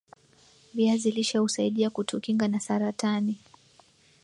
viazi lishe husaidia kutukinga na saratani